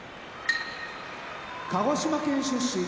鹿児島県出身